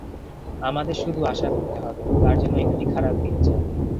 আমাদের শুধু আশা করতে হবে, তার যেন একটি খারাপ দিন যায়।